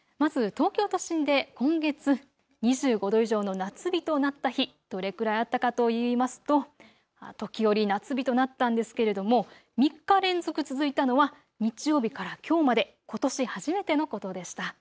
まず東京都心で今月、２５度以上の夏日となった日、どれくらいあったかといいますと時折、夏日となったんですけれども３日連続、続いたのは日曜日からきょうまで、ことし初めてのことでした。